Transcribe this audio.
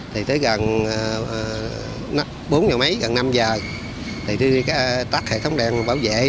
thì tới gần bốn giờ mấy gần năm giờ tôi tắt hệ thống đèn bảo vệ